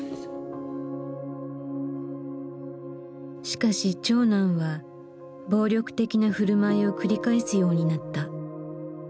しかし長男は暴力的な振る舞いを繰り返すようになった。